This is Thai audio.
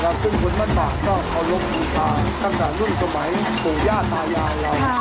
ซึ่งคุณบ้านบาดเคารพบูชาตั้งแต่รุ่นสมัยปู่ย่าตายายเรา